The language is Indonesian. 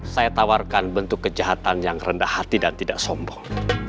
saya tawarkan bentuk kejahatan yang rendah hati dan tidak sombong